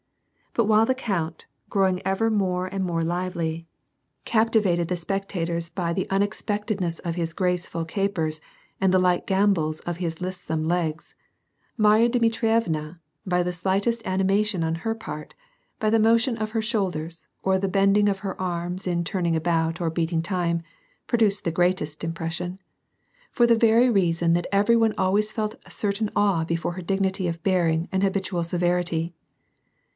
But while the count, growing ever more and more lively, WAR AND PEACE. 81 captivated the spectators by the unexpectedness of his grace ful capers and the light gambols of his lissome legs, Marya Dmitrievna, by the slightest animation 'on her part, by the inotiou of her shoulders or the bending of her arms in turning about or beating time, produced the greatest impression ; for the Tery reason that every one always felt a certain awe before her dignity of bearing and habitual severity.